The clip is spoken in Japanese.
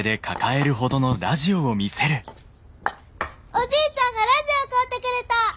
おじいちゃんがラジオ買うてくれた！